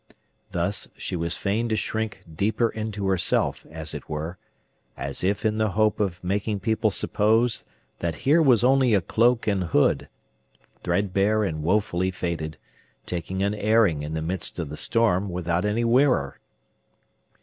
Thus, she was fain to shrink deeper into herself, as it were, as if in the hope of making people suppose that here was only a cloak and hood, threadbare and woefully faded, taking an airing in the midst of the storm, without any wearer!